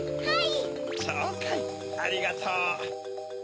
はい。